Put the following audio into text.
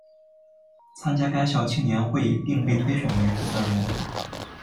参加该校青年会并被推选为负责人。